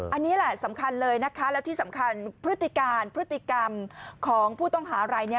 อันนี้แหละสำคัญเลยนะคะแล้วที่สำคัญพฤติการพฤติกรรมของผู้ต้องหารายนี้